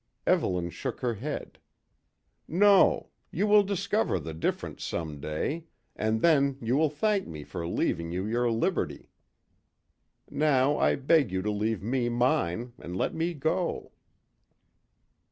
Evelyn shook her head. "No; you will discover the difference some day, and then you will thank me for leaving you your liberty. Now I beg you to leave me mine and let me go."